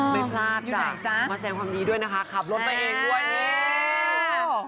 ไม่พลาดจ้ะมาแสงความดีด้วยนะคะขับรถไปเองด้วยนี่